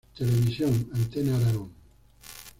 Televisión: Antena Aragón.